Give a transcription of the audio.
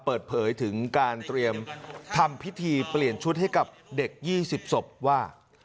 เปิดเผยถึงการเตรียมทำพิธีเปลี่ยนชุดให้กับเด็ก๒๐ศพว่า